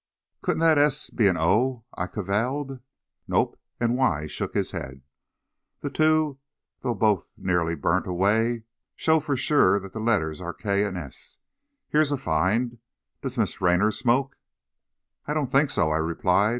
"Couldn't that S be an O?" I caviled. "Nope," and Wise shook his head. "The two, though both nearly burnt away, show for sure that the letters are K and S. Here's a find! Does Miss Raynor smoke?" "I don't think so," I replied.